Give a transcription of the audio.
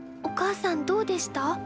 おかあさんどうでした？